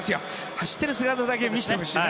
走っている姿だけでも見せてほしいね。